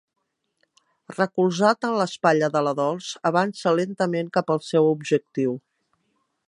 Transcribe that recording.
Recolzat en l'espatlla de la Dols, avança lentament cap al seu objectiu.